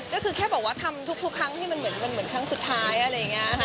ก็คือแค่บอกว่าทำทุกครั้งที่มันเหมือนครั้งสุดท้ายอะไรอย่างนี้ค่ะ